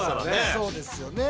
そうですよね。